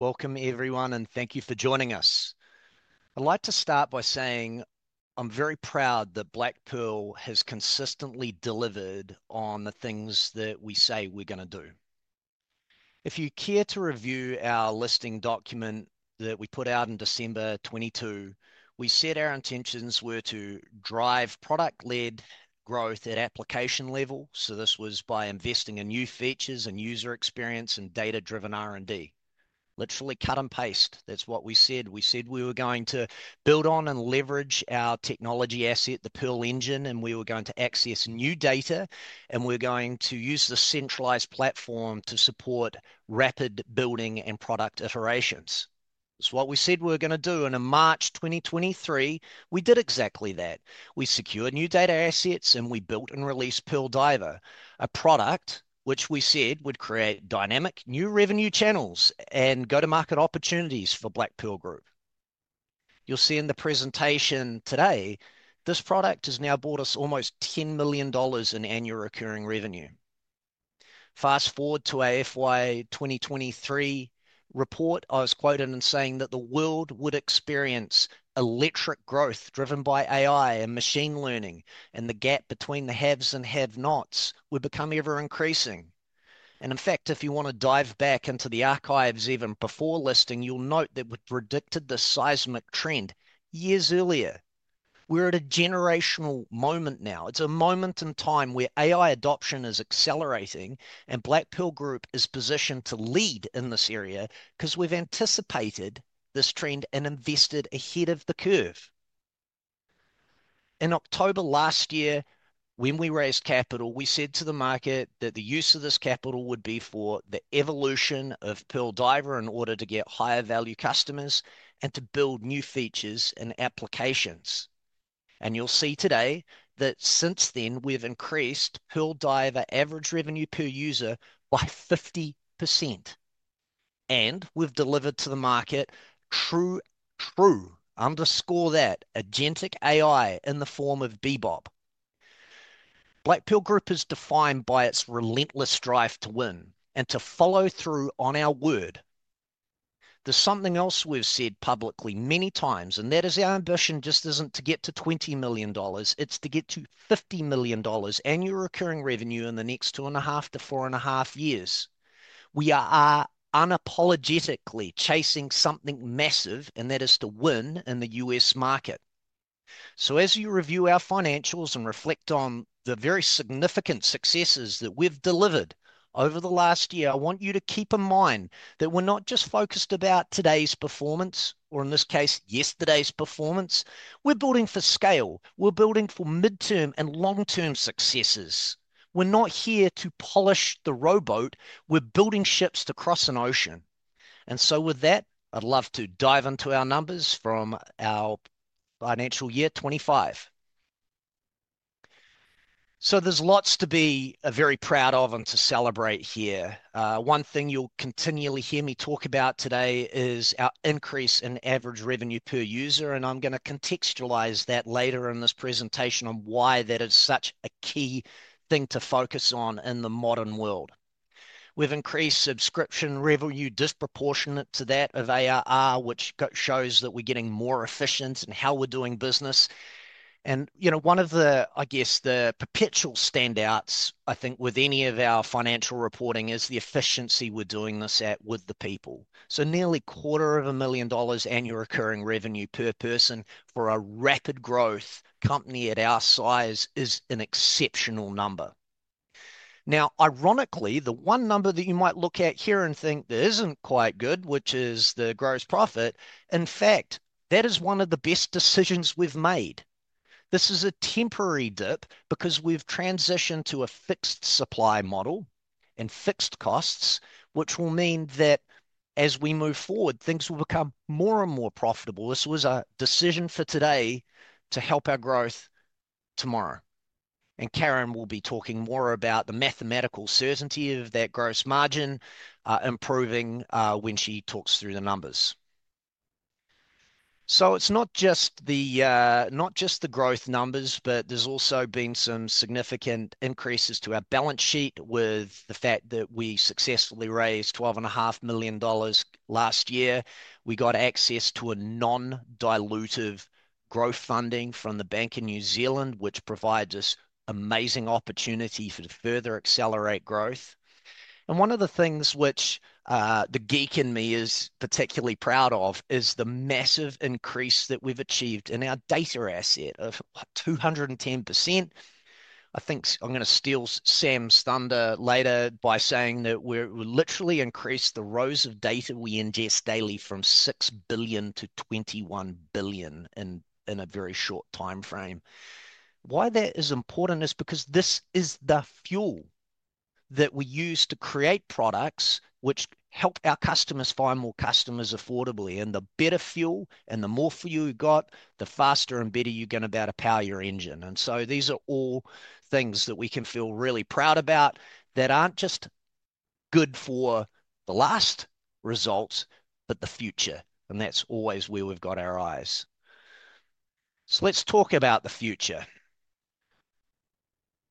Welcome, everyone, and thank you for joining us. I'd like to start by saying I'm very proud that Blackpearl has consistently delivered on the things that we say we're going to do. If you care to review our listing document that we put out in December 2022, we said our intentions were to drive product-led growth at application level, so this was by investing in new features and user experience and data-driven R&D. Literally cut and paste. That's what we said. We said we were going to build on and leverage our technology asset, the Pearl Engine, and we were going to access new data, and we're going to use the centralized platform to support rapid building and product iterations. That's what we said we were going to do. In March 2023, we did exactly that. We secured new data assets, and we built and released Pearl Diver, a product which we said would create dynamic new revenue channels and go-to-market opportunities for Blackpearl Group. You'll see in the presentation today, this product has now brought us almost 10 million dollars in annual recurring revenue. Fast forward to our FY 2023 report, I was quoted in saying that the world would experience electric growth driven by AI and machine learning, and the gap between the haves and have-nots would become ever increasing. In fact, if you want to dive back into the archives even before listing, you'll note that we predicted the seismic trend years earlier. We're at a generational moment now. It's a moment in time where AI adoption is accelerating, and Blackpearl Group is positioned to lead in this area because we've anticipated this trend and invested ahead of the curve. In October last year, when we raised capital, we said to the market that the use of this capital would be for the evolution of Pearl Diver in order to get higher-value customers and to build new features and applications. You will see today that since then, we have increased Pearl Diver average revenue per user by 50%. We have delivered to the market true, true, underscore that, agentic AI in the form of Bebop. Blackpearl Group is defined by its relentless drive to win and to follow through on our word. There is something else we have said publicly many times, and that is our ambition just is not to get to 20 million dollars. It is to get to 50 million dollars annual recurring revenue in the next 2.5-4.5 years. We are unapologetically chasing something massive, and that is to win in the U.S. market. As you review our financials and reflect on the very significant successes that we've delivered over the last year, I want you to keep in mind that we're not just focused about today's performance, or in this case, yesterday's performance. We're building for scale. We're building for midterm and long-term successes. We're not here to polish the rowboat. We're building ships to cross an ocean. With that, I'd love to dive into our numbers from our financial year 2025. There is lots to be very proud of and to celebrate here. One thing you'll continually hear me talk about today is our increase in average revenue per user, and I'm going to contextualize that later in this presentation on why that is such a key thing to focus on in the modern world. We've increased subscription revenue disproportionate to that of ARR, which shows that we're getting more efficient in how we're doing business. You know, one of the, I guess, the perpetual standouts, I think, with any of our financial reporting is the efficiency we're doing this at with the people. Nearly a 250,000 dollars annual recurring revenue per person for a rapid growth company at our size is an exceptional number. Now, ironically, the one number that you might look at here and think isn't quite good, which is the gross profit, in fact, that is one of the best decisions we've made. This is a temporary dip because we've transitioned to a fixed supply model and fixed costs, which will mean that as we move forward, things will become more and more profitable. This was a decision for today to help our growth tomorrow. Karen will be talking more about the mathematical certainty of that gross margin improving when she talks through the numbers. It is not just the growth numbers, but there have also been some significant increases to our balance sheet with the fact that we successfully raised 12.5 million dollars last year. We got access to non-dilutive growth funding from the Bank of New Zealand, which provides us amazing opportunity to further accelerate growth. One of the things which the geek in me is particularly proud of is the massive increase that we have achieved in our data asset of 210%. I think I am going to steal Sam's thunder later by saying that we have literally increased the rows of data we ingest daily from 6 billion to 21 billion in a very short time frame. Why that is important is because this is the fuel that we use to create products which help our customers find more customers affordably. The better fuel and the more fuel you got, the faster and better you're going to be able to power your engine. These are all things that we can feel really proud about that aren't just good for the last results, but the future. That's always where we've got our eyes. Let's talk about the future.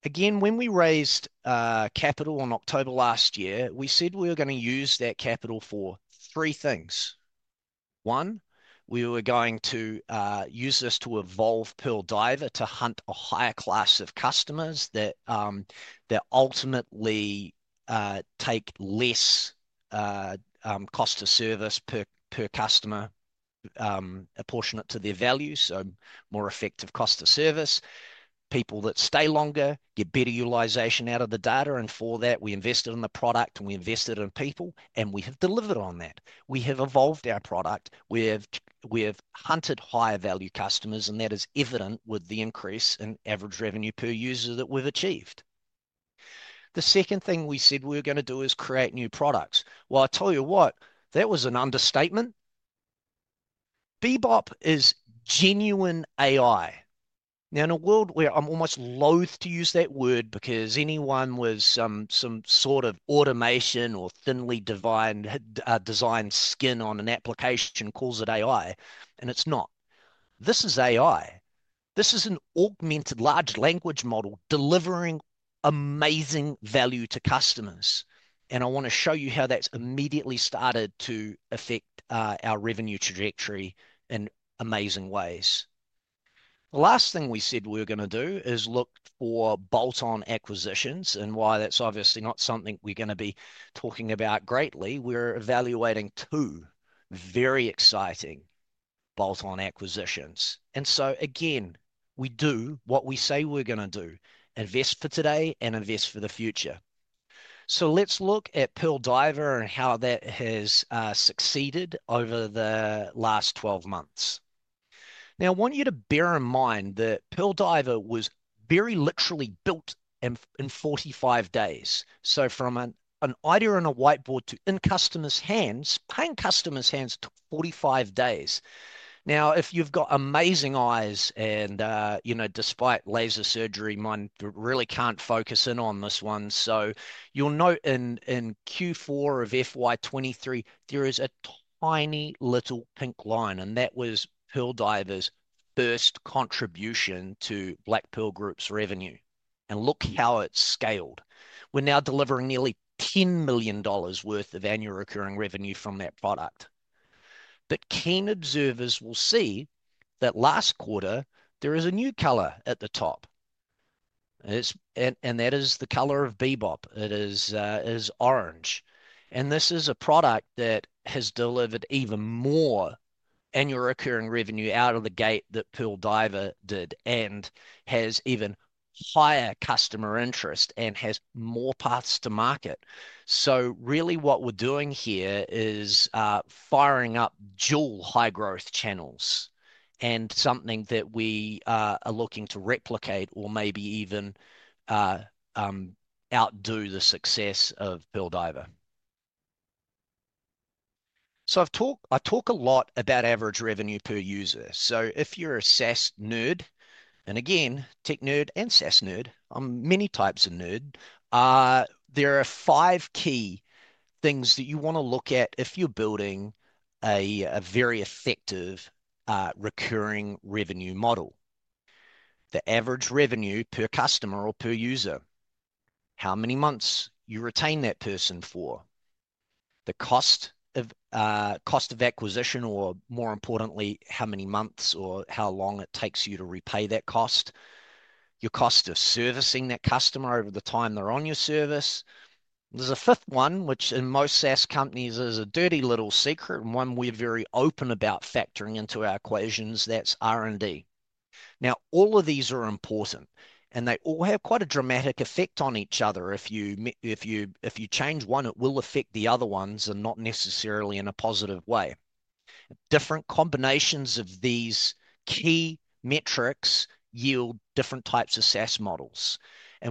Again, when we raised capital in October last year, we said we were going to use that capital for three things. One, we were going to use this to evolve Pearl Diver to hunt a higher class of customers that ultimately take less cost of service per customer apportionate to their value, so more effective cost of service. People that stay longer get better utilization out of the data. For that, we invested in the product and we invested in people, and we have delivered on that. We have evolved our product. We have hunted higher value customers, and that is evident with the increase in average revenue per user that we've achieved. The second thing we said we were going to do is create new products. I tell you what, that was an understatement. Bebop is genuine AI. Now, in a world where I'm almost loath to use that word because anyone with some sort of automation or thinly designed skin on an application calls it AI, and it's not. This is AI. This is an augmented large language model delivering amazing value to customers. I want to show you how that's immediately started to affect our revenue trajectory in amazing ways. The last thing we said we were going to do is look for bolt-on acquisitions, and why that's obviously not something we're going to be talking about greatly. We're evaluating two very exciting bolt-on acquisitions. Again, we do what we say we're going to do, invest for today and invest for the future. Let's look at Pearl Diver and how that has succeeded over the last 12 months. Now, I want you to bear in mind that Pearl Diver was very literally built in 45 days. From an idea on a whiteboard to in customers' hands, paying customers' hands took 45 days. If you've got amazing eyes and, you know, despite laser surgery, mine really can't focus in on this one. You'll note in Q4 of FY 2023, there is a tiny little pink line, and that was Pearl Diver's first contribution to Blackpearl Group's revenue. Look how it's scaled. We're now delivering nearly 10 million dollars worth of annual recurring revenue from that product. Keen observers will see that last quarter, there is a new color at the top. That is the color of Bebop. It is orange. This is a product that has delivered even more annual recurring revenue out of the gate than Pearl Diver did and has even higher customer interest and has more paths to market. Really what we're doing here is firing up dual high growth channels and something that we are looking to replicate or maybe even outdo the success of Pearl Diver. I talk a lot about average revenue per user. If you're a SaaS nerd, and again, tech nerd and SaaS nerd, I'm many types of nerd, there are five key things that you want to look at if you're building a very effective recurring revenue model. The average revenue per customer or per user, how many months you retain that person for, the cost of acquisition, or more importantly, how many months or how long it takes you to repay that cost, your cost of servicing that customer over the time they're on your service. There's a fifth one, which in most SaaS companies is a dirty little secret, and one we're very open about factoring into our equations, that's R&D. Now, all of these are important, and they all have quite a dramatic effect on each other. If you change one, it will affect the other ones and not necessarily in a positive way. Different combinations of these key metrics yield different types of SaaS models.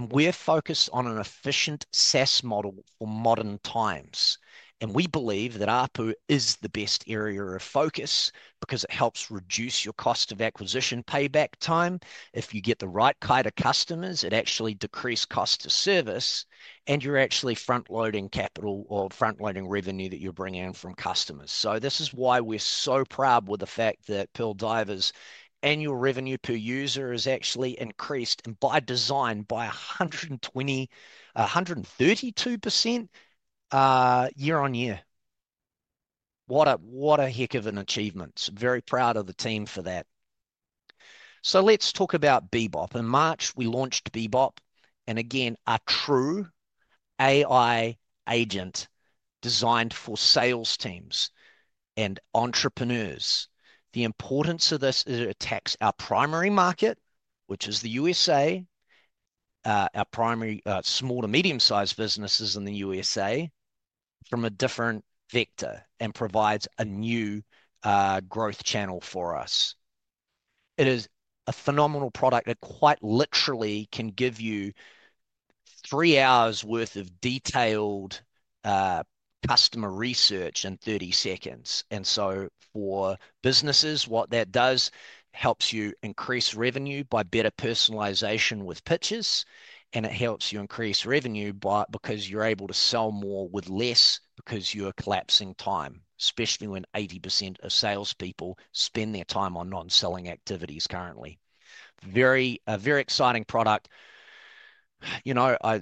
We are focused on an efficient SaaS model for modern times. We believe that ARPU is the best area of focus because it helps reduce your cost of acquisition payback time. If you get the right kind of customers, it actually decreases cost of service, and you are actually front-loading capital or front-loading revenue that you are bringing in from customers. This is why we are so proud with the fact that Pearl Diver's annual revenue per user is actually increased by design by 132% year-on-year. What a heck of an achievement. Very proud of the team for that. Let's talk about Bebop. In March, we launched Bebop. Again, a true AI agent designed for sales teams and entrepreneurs. The importance of this is it attacks our primary market, which is the U.S.A., our primary small to medium-sized businesses in the U.S.A. from a different vector and provides a new growth channel for us. It is a phenomenal product that quite literally can give you three hours' worth of detailed customer research in 30 seconds. For businesses, what that does helps you increase revenue by better personalization with pitches, and it helps you increase revenue because you're able to sell more with less because you're collapsing time, especially when 80% of salespeople spend their time on non-selling activities currently. Very exciting product. You know, I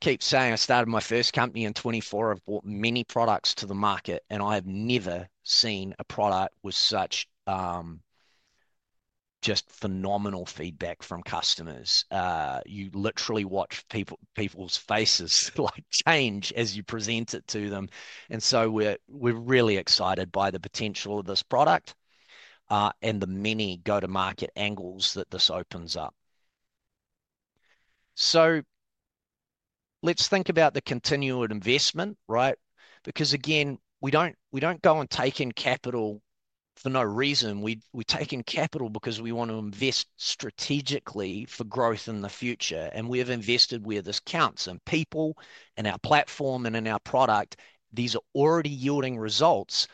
keep saying I started my first company in 2024, I've brought many products to the market, and I have never seen a product with such just phenomenal feedback from customers. You literally watch people's faces change as you present it to them. We are really excited by the potential of this product and the many go-to-market angles that this opens up. Let's think about the continued investment, right? Because again, we do not go and take in capital for no reason. We take in capital because we want to invest strategically for growth in the future. We have invested where this counts in people, in our platform, and in our product. These are already yielding results.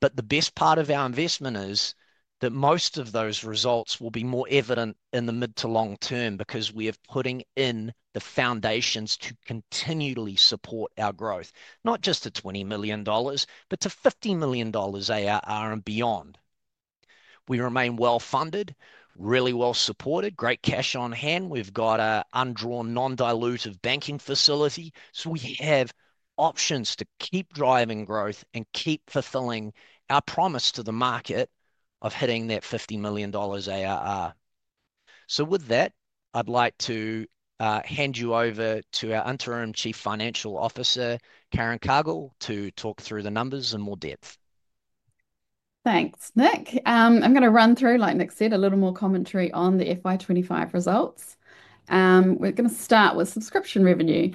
The best part of our investment is that most of those results will be more evident in the mid to long term because we are putting in the foundations to continually support our growth, not just to 20 million dollars, but to 50 million dollars ARR and beyond. We remain well-funded, really well-supported, great cash on hand. We have got an undrawn, non-dilutive banking facility. We have options to keep driving growth and keep fulfilling our promise to the market of hitting that 50 million dollars ARR. With that, I'd like to hand you over to our Interim Chief Financial Officer, Karen Cargill, to talk through the numbers in more depth. Thanks, Nick. I'm going to run through, like Nick said, a little more commentary on the FY 2025 results. We're going to start with subscription revenue.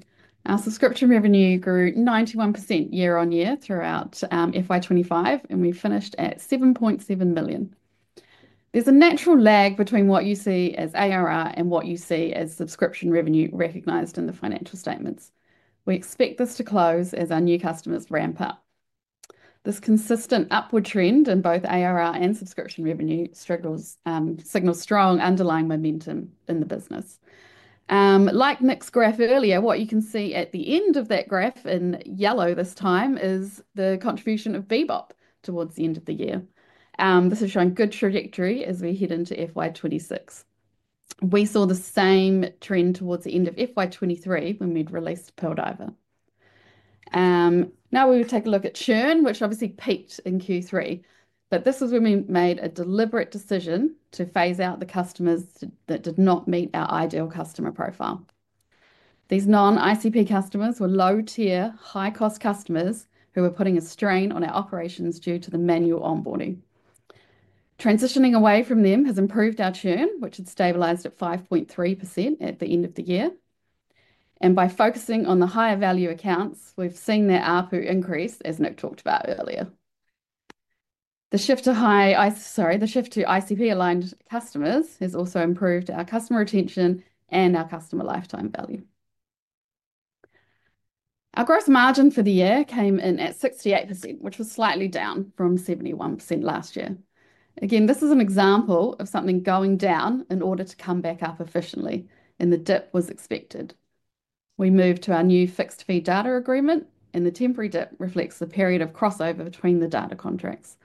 Our subscription revenue grew 91% year-on-year throughout FY 2025, and we finished at 7.7 million. There's a natural lag between what you see as ARR and what you see as subscription revenue recognized in the financial statements. We expect this to close as our new customers ramp up. This consistent upward trend in both ARR and subscription revenue signals strong underlying momentum in the business. Like Nick's graph earlier, what you can see at the end of that graph in yellow this time is the contribution of Bebop towards the end of the year. This is showing good trajectory as we head into FY 2026. We saw the same trend towards the end of FY 2023 when we'd released Pearl Diver. Now we would take a look at Churn, which obviously peaked in Q3, but this was when we made a deliberate decision to phase out the customers that did not meet our ideal customer profile. These non-ICP customers were low-tier, high-cost customers who were putting a strain on our operations due to the manual onboarding. Transitioning away from them has improved our Churn, which had stabilized at 5.3% at the end of the year. By focusing on the higher value accounts, we've seen their ARPU increase, as Nick talked about earlier. The shift to high, sorry, the shift to ICP-aligned customers has also improved our customer retention and our customer lifetime value. Our gross margin for the year came in at 68%, which was slightly down from 71% last year. Again, this is an example of something going down in order to come back up efficiently, and the dip was expected. We moved to our new fixed fee data agreement, and the temporary dip reflects the period of crossover between the data contracts.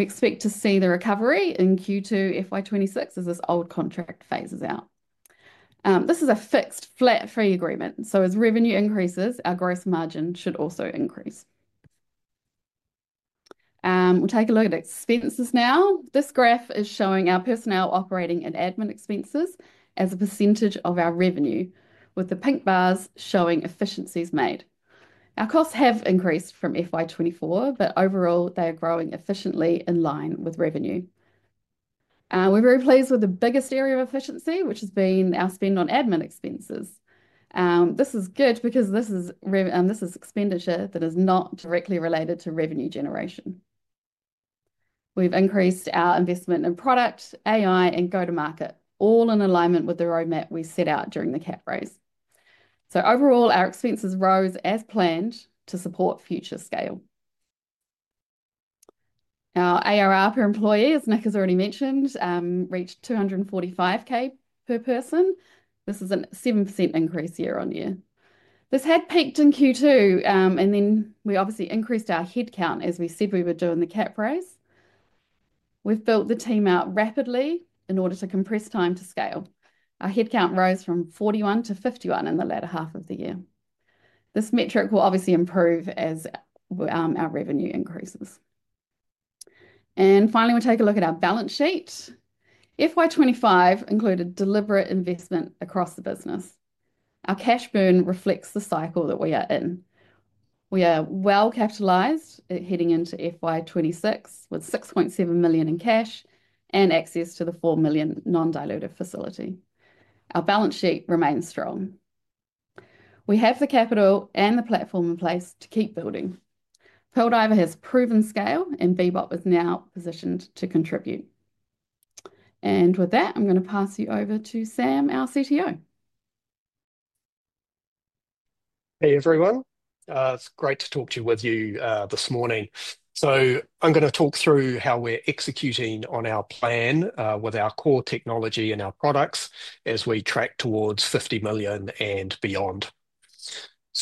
We expect to see the recovery in Q2 FY 2026 as this old contract phases out. This is a fixed flat fee agreement. As revenue increases, our gross margin should also increase. We'll take a look at expenses now. This graph is showing our personnel, operating, and admin expenses as a percentage of our revenue, with the pink bars showing efficiencies made. Our costs have increased from FY 2024, but overall, they are growing efficiently in line with revenue. We're very pleased with the biggest area of efficiency, which has been our spend on admin expenses. This is good because this is expenditure that is not directly related to revenue generation. We've increased our investment in product, AI, and go-to-market, all in alignment with the roadmap we set out during the cap raise. Overall, our expenses rose as planned to support future scale. Our ARR per employee, as Nick has already mentioned, reached 245,000 per person. This is a 7% increase year-on-year. This had peaked in Q2, and then we obviously increased our headcount as we said we were doing the cap raise. We've built the team out rapidly in order to compress time to scale. Our headcount rose from 41 to 51 in the latter half of the year. This metric will obviously improve as our revenue increases. Finally, we take a look at our balance sheet. FY 2025 included deliberate investment across the business. Our cash burn reflects the cycle that we are in. We are well capitalized heading into FY 2026 with 6.7 million in cash and access to the 4 million non-dilutive facility. Our balance sheet remains strong. We have the capital and the platform in place to keep building. Pearl Diver has proven scale, and Bebop is now positioned to contribute. With that, I'm going to pass you over to Sam, our CTO. Hey, everyone. It's great to talk to you with you this morning. I'm going to talk through how we're executing on our plan with our core technology and our products as we track towards 50 million and beyond.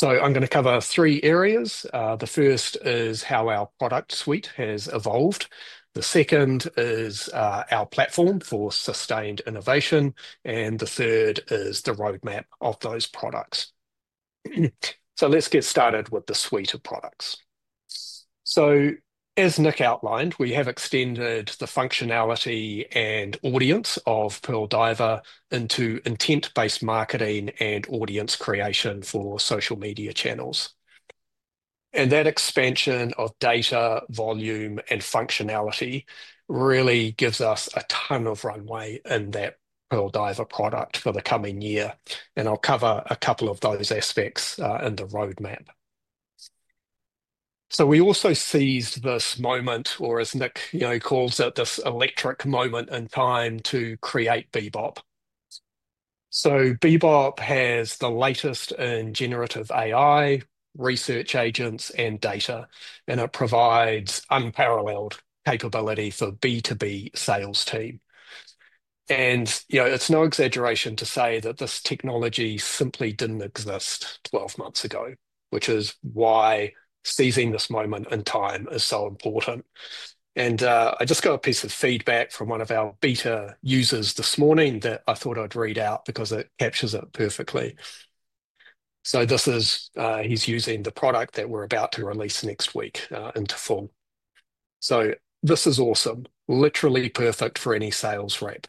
I'm going to cover three areas. The first is how our product suite has evolved. The second is our platform for sustained innovation, and the third is the roadmap of those products. Let's get started with the suite of products. As Nick outlined, we have extended the functionality and audience of Pearl Diver into intent-based marketing and audience creation for social media channels. That expansion of data, volume, and functionality really gives us a ton of runway in that Pearl Diver product for the coming year. I'll cover a couple of those aspects in the roadmap. We also seized this moment, or as Nick calls it, this electric moment in time to create Bebop. Bebop has the latest in generative AI, research agents, and data, and it provides unparalleled capability for B2B sales team. It is no exaggeration to say that this technology simply did not exist 12 months ago, which is why seizing this moment in time is so important. I just got a piece of feedback from one of our beta users this morning that I thought I would read out because it captures it perfectly. He is using the product that we are about to release next week into full. This is awesome, literally perfect for any sales rep.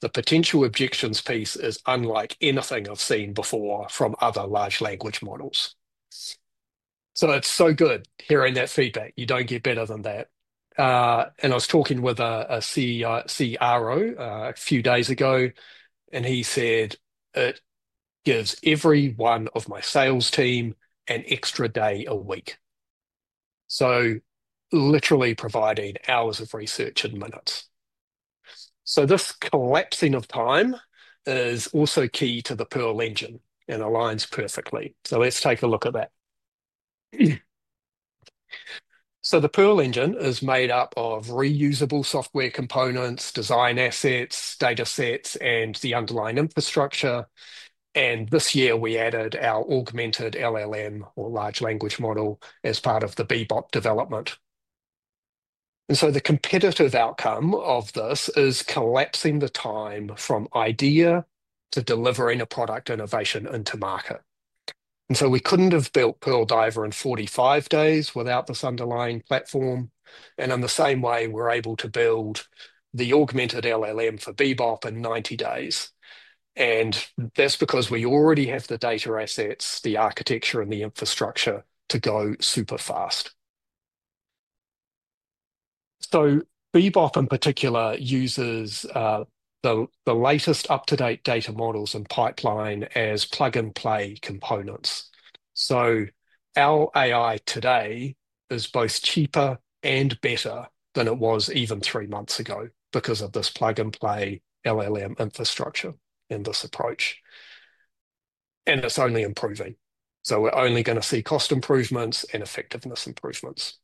The potential objections piece is unlike anything I have seen before from other large language models. It is so good hearing that feedback. You do not get better than that. I was talking with a CRO a few days ago, and he said it gives every one of my sales team an extra day a week. Literally providing hours of research in minutes. This collapsing of time is also key to the Pearl Engine and aligns perfectly. Let's take a look at that. The Pearl Engine is made up of reusable software components, design assets, data sets, and the underlying infrastructure. This year, we added our augmented LLM or Large Language Model as part of the Bebop development. The competitive outcome of this is collapsing the time from idea to delivering a product innovation into market. We could not have built Pearl Diver in 45 days without this underlying platform. In the same way, we are able to build the augmented LLM for Bebop in 90 days. That is because we already have the data assets, the architecture, and the infrastructure to go super fast. Bebop, in particular, uses the latest up-to-date data models and pipeline as plug-and-play components. Our AI today is both cheaper and better than it was even three months ago because of this plug-and-play LLM infrastructure and this approach. It is only improving. We are only going to see cost improvements and effectiveness improvements.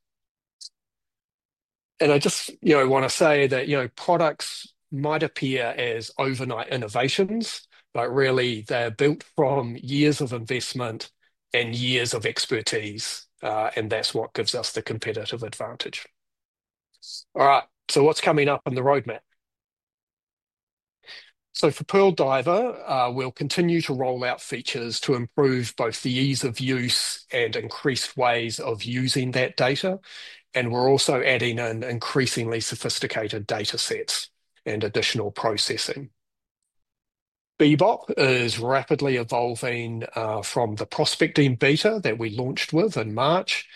I just want to say that products might appear as overnight innovations, but really they are built from years of investment and years of expertise, and that is what gives us the competitive advantage. All right, what is coming up in the roadmap? For Pearl Diver, we will continue to roll out features to improve both the ease of use and increased ways of using that data. We're also adding in increasingly sophisticated data sets and additional processing. Bebop is rapidly evolving from the Prospecting Beta that we launched with in March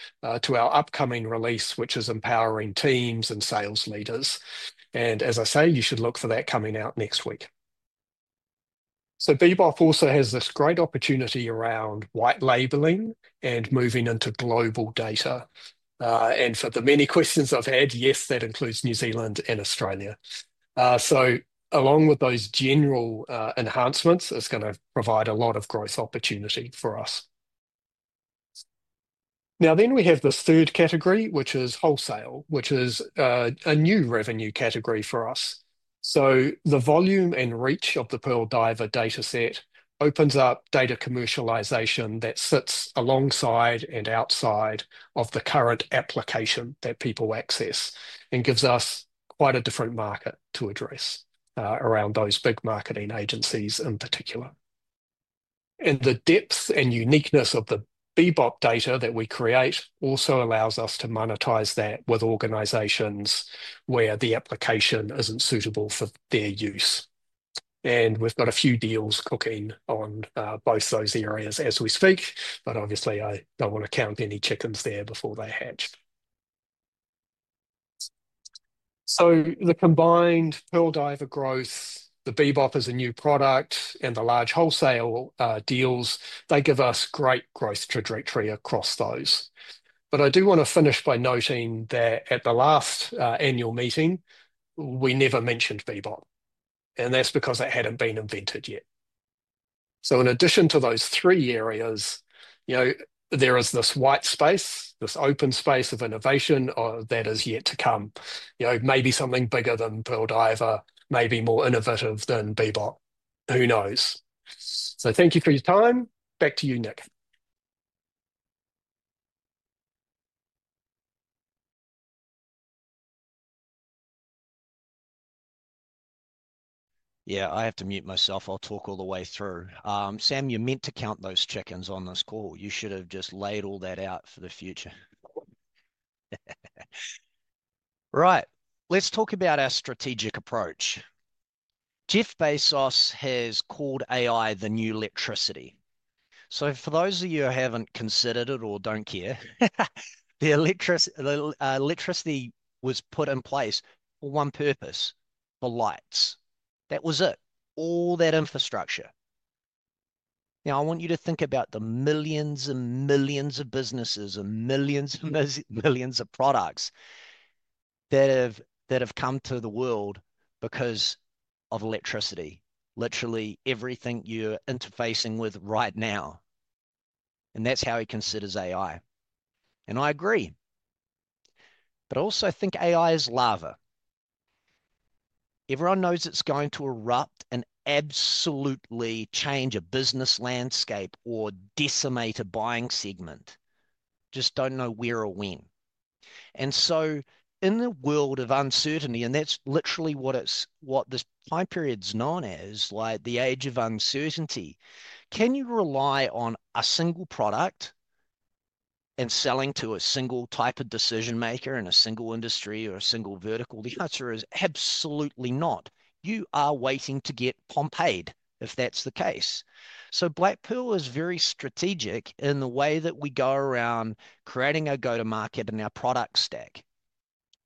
to our upcoming release, which is empowering teams and sales leaders. As I say, you should look for that coming out next week. Bebop also has this great opportunity around white labeling and moving into global data. For the many questions I've had, yes, that includes New Zealand and Australia. Along with those general enhancements, it's going to provide a lot of growth opportunity for us. Now then we have this third category, which is wholesale, which is a new revenue category for us. The volume and reach of the Pearl Diver data set opens up data commercialization that sits alongside and outside of the current application that people access and gives us quite a different market to address around those big marketing agencies in particular. The depth and uniqueness of the Bebop data that we create also allows us to monetize that with organizations where the application isn't suitable for their use. We've got a few deals cooking on both those areas as we speak, but obviously, I don't want to count any chickens there before they hatch. The combined Pearl Diver growth, the Bebop as a new product, and the large wholesale deals, they give us great growth trajectory across those. I do want to finish by noting that at the last annual meeting, we never mentioned Bebop. That's because it hadn't been invented yet. In addition to those three areas, there is this white space, this open space of innovation that is yet to come. Maybe something bigger than Pearl Diver, maybe more innovative than Bebop. Who knows? Thank you for your time. Back to you, Nick. Yeah, I have to mute myself. I'll talk all the way through. Sam, you meant to count those chickens on this call. You should have just laid all that out for the future. Right, let's talk about our strategic approach. Jeff Bezos has called AI the new electricity. For those of you who haven't considered it or don't care, the electricity was put in place for one purpose: for lights. That was it. All that infrastructure. Now, I want you to think about the millions and millions of businesses and millions and millions of products that have come to the world because of electricity. Literally everything you're interfacing with right now. That is how he considers AI. I agree. I also think AI is lava. Everyone knows it's going to erupt and absolutely change a business landscape or decimate a buying segment. You just do not know where or when. In the world of uncertainty, and that is literally what this time period is known as, like the age of uncertainty, can you rely on a single product and selling to a single type of decision maker in a single industry or a single vertical? The answer is absolutely not. You are waiting to get Pompeid if that is the case. Blackpearl is very strategic in the way that we go around creating our go-to-market and our product stack.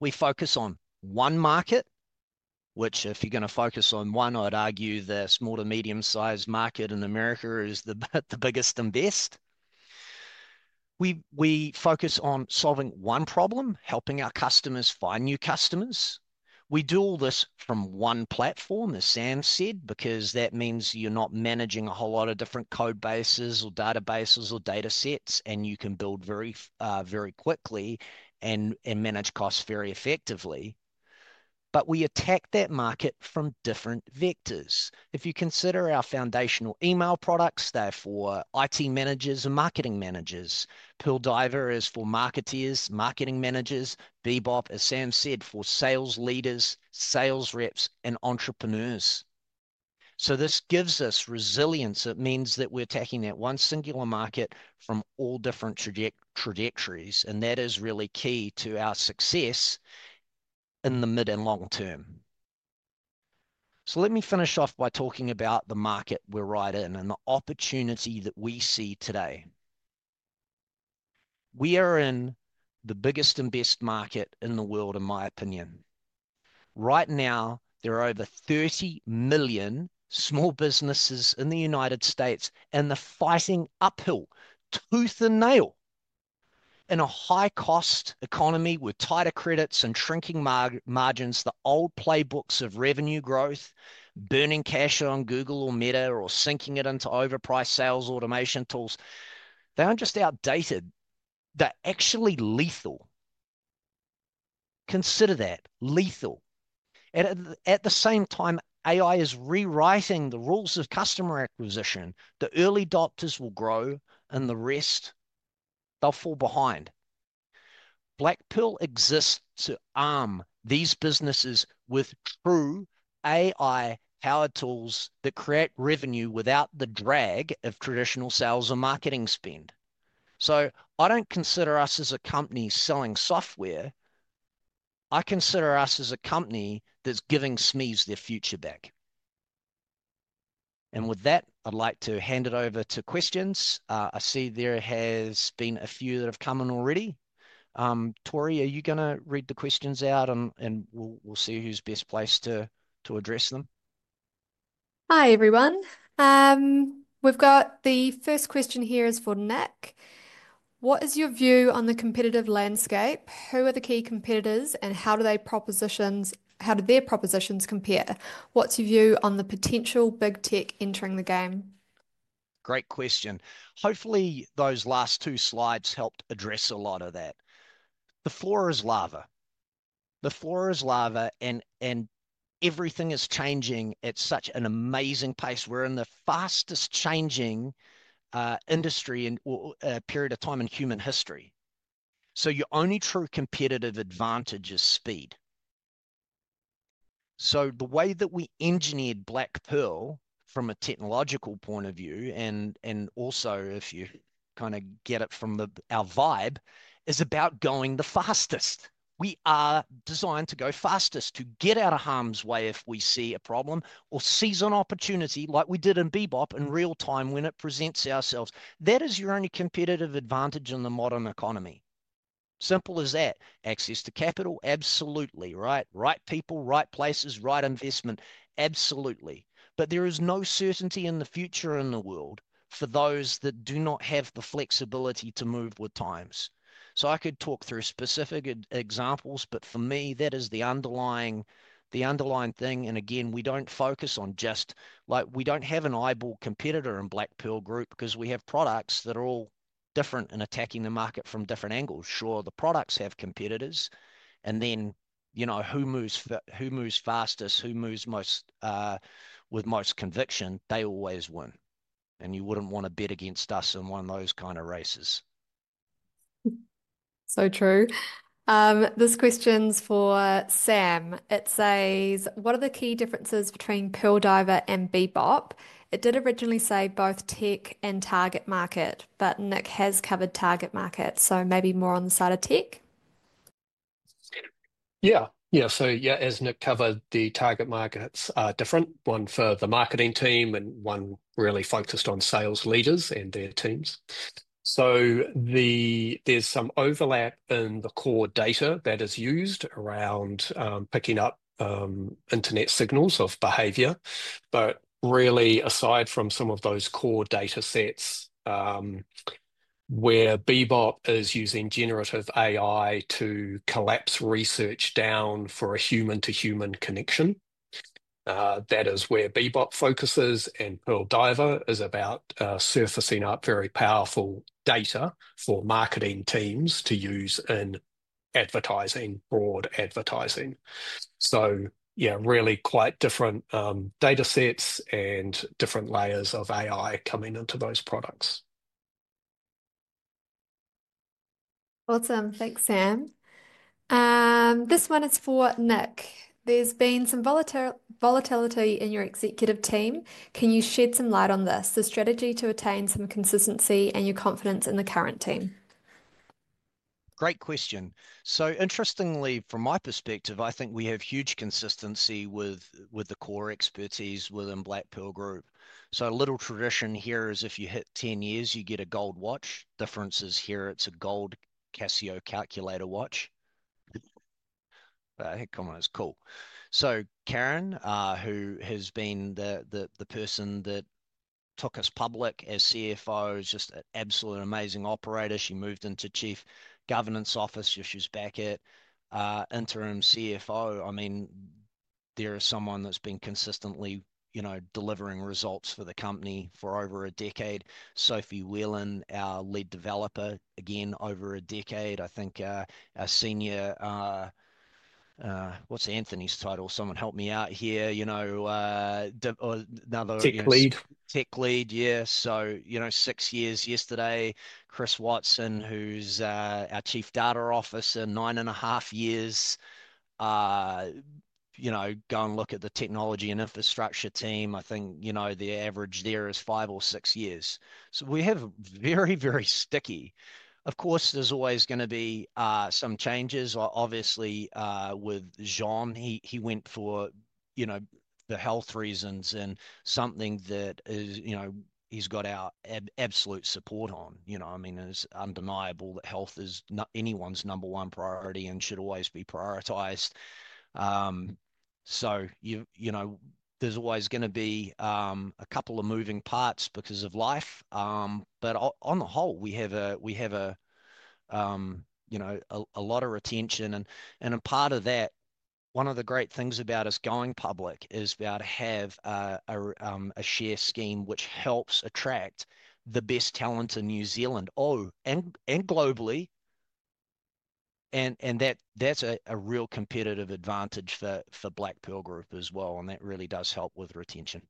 We focus on one market, which if you're going to focus on one, I'd argue the small to medium-sized market in America is the biggest and best. We focus on solving one problem, helping our customers find new customers. We do all this from one platform, as Sam said, because that means you're not managing a whole lot of different code bases or databases or data sets, and you can build very, very quickly and manage costs very effectively. We attack that market from different vectors. If you consider our foundational email products, they're for IT managers and marketing managers. Pearl Diver is for marketeers, marketing managers. Bebop, as Sam said, for sales leaders, sales reps, and entrepreneurs. This gives us resilience. It means that we're attacking that one singular market from all different trajectories. That is really key to our success in the mid and long term. Let me finish off by talking about the market we are right in and the opportunity that we see today. We are in the biggest and best market in the world, in my opinion. Right now, there are over 30 million small businesses in the United States and they are fighting uphill tooth and nail. In a high-cost economy with tighter credits and shrinking margins, the old playbooks of revenue growth, burning cash on Google or Meta or sinking it into overpriced sales automation tools, they are not just outdated. They are actually lethal. Consider that lethal. At the same time, AI is rewriting the rules of customer acquisition. The early adopters will grow, and the rest, they will fall behind. Blackpearl exists to arm these businesses with true AI-powered tools that create revenue without the drag of traditional sales and marketing spend. I do not consider us as a company selling software. I consider us as a company that is giving SMEs their future back. With that, I would like to hand it over to questions. I see there have been a few that have come in already. Tori, are you going to read the questions out, and we will see who is best placed to address them? Hi, everyone. We have got the first question here for Nick. What is your view on the competitive landscape? Who are the key competitors, and how do their propositions compare? What is your view on the potential big tech entering the game? Great question. Hopefully, those last two slides helped address a lot of that. The floor is lava. The floor is lava, and everything is changing at such an amazing pace. We're in the fastest-changing industry in a period of time in human history. Your only true competitive advantage is speed. The way that we engineered Blackpearl from a technological point of view, and also if you kind of get it from our vibe, is about going the fastest. We are designed to go fastest, to get out of harm's way if we see a problem or seize an opportunity like we did in Bebop in real time when it presents ourselves. That is your only competitive advantage in the modern economy. Simple as that. Access to capital? Absolutely. Right people, right places, right investment? Absolutely. There is no certainty in the future in the world for those that do not have the flexibility to move with times. I could talk through specific examples, but for me, that is the underlying thing. Again, we do not focus on just like we do not have an eyeball competitor in Blackpearl Group because we have products that are all different and attacking the market from different angles. Sure, the products have competitors. Who moves fastest, who moves with most conviction, they always win. You would not want to bet against us in one of those kind of races. True. This question is for Sam. It says, what are the key differences between Pearl Diver and Bebop? It did originally say both tech and target market, but Nick has covered target market, so maybe more on the side of tech? Yeah. Yeah. As Nick covered, the target markets are different. One for the marketing team and one really focused on sales leaders and their teams. There is some overlap in the core data that is used around picking up internet signals of behavior. Really, aside from some of those core data sets, where Bebop is using generative AI to collapse research down for a human-to-human connection, that is where Bebop focuses, and Pearl Diver is about surfacing up very powerful data for marketing teams to use in advertising, broad advertising. Yeah, really quite different data sets and different layers of AI coming into those products. Awesome. Thanks, Sam. This one is for Nick. There has been some volatility in your executive team. Can you shed some light on this? The strategy to attain some consistency and your confidence in the current team? Great question. Interestingly, from my perspective, I think we have huge consistency with the core expertise within Blackpearl Group. A little tradition here is if you hit 10 years, you get a gold watch. Differences here. It is a gold Casio calculator watch. I think, come on, it is cool. Karen, who has been the person that took us public as CFO, is just an absolutely amazing operator. She moved into Chief Governance Office. She was back at interim CFO. I mean, there is someone that has been consistently delivering results for the company for over a decade. Sophie Whelan, our lead developer, again, over a decade. I think our senior—what is Anthony's title? Someone help me out here. Another. Tech lead. Tech lead, yeah. Six years yesterday. Chris Watson, who is our Chief Data Officer, 9.5 years. Go and look at the technology and infrastructure team. I think the average there is five or six years. We have very, very sticky. Of course, there's always going to be some changes. Obviously, with John, he went for the health reasons and something that he's got our absolute support on. I mean, it's undeniable that health is anyone's number one priority and should always be prioritized. There's always going to be a couple of moving parts because of life. On the whole, we have a lot of retention. Part of that, one of the great things about us going public, is about to have a share scheme which helps attract the best talent in New Zealand, oh, and globally. That's a real competitive advantage for Blackpearl Group as well. That really does help with retention.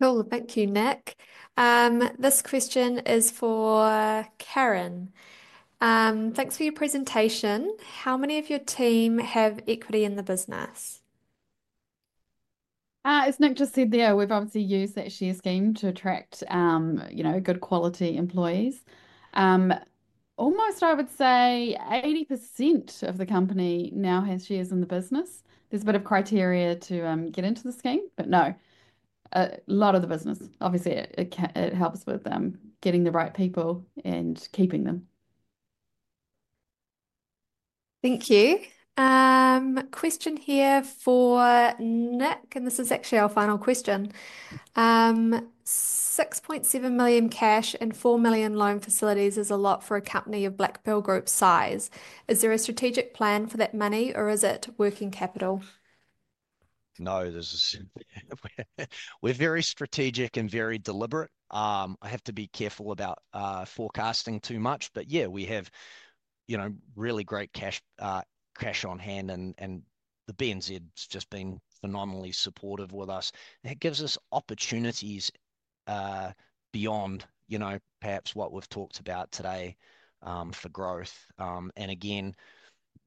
Cool. Thank you, Nick. This question is for Karen. Thanks for your presentation. How many of your team have equity in the business? As Nick just said there, we've obviously used that share scheme to attract good quality employees. Almost, I would say, 80% of the company now has shares in the business. There's a bit of criteria to get into the scheme, but no, a lot of the business. Obviously, it helps with getting the right people and keeping them. Thank you. Question here for Nick, and this is actually our final question. 6.7 million cash and 4 million loan facilities is a lot for a company of Blackpearl Group size. Is there a strategic plan for that money, or is it working capital? No, we're very strategic and very deliberate. I have to be careful about forecasting too much. Yeah, we have really great cash on hand, and the BNZ has just been phenomenally supportive with us. It gives us opportunities beyond perhaps what we've talked about today for growth. Again,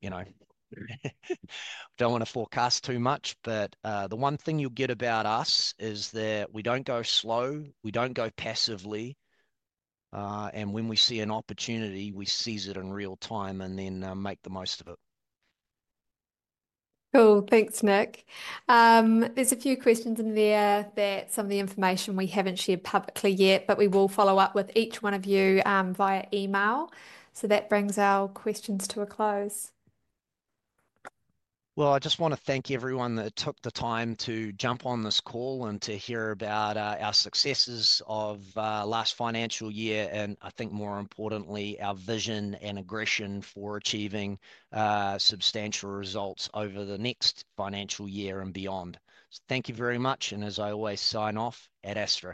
I don't want to forecast too much, but the one thing you'll get about us is that we don't go slow. We don't go passively. When we see an opportunity, we seize it in real time and then make the most of it. Cool. Thanks, Nick. There's a few questions in there that some of the information we haven't shared publicly yet, but we will follow up with each one of you via email. That brings our questions to a close. I just want to thank everyone that took the time to jump on this call and to hear about our successes of last financial year and, I think, more importantly, our vision and aggression for achieving substantial results over the next financial year and beyond. Thank you very much. As I always sign off, at Astero.